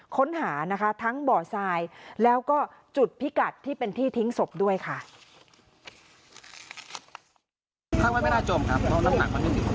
ค้นหานะคะทั้งบ่อทรายแล้วก็จุดพิกัดที่เป็นที่ทิ้งศพด้วยค่ะ